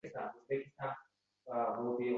Yakshanba dam olish kunini birga o’tkazaylik.